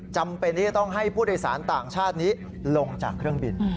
จำเป็นที่จะต้องให้ผู้โดยสารต่างชาตินี้ลงจากเครื่องบิน